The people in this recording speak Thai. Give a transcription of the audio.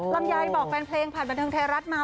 ลำไยบอกแฟนเพลงผ่านบันเทิงไทยรัฐมา